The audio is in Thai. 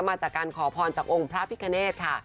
มาจากการขอพรจากองค์พระพิคเนธค่ะ